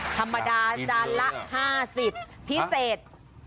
ธรรมดาจานละ๕๐พิเศษ